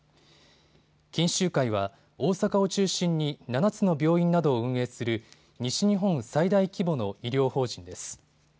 錦秀会は大阪を中心に７つの病院などを運営する西日本最大規模の医療法人です。